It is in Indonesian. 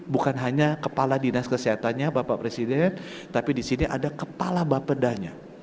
bukan hanya kepala dinas kesehatannya bapak presiden tapi di sini ada kepala bapedanya